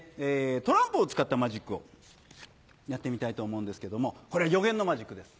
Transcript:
トランプを使ったマジックをやってみたいと思うんですけどもこれは予言のマジックです。